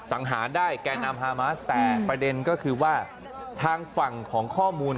สังหารได้แก่นำฮามาสแต่ประเด็นก็คือว่าทางฝั่งของข้อมูล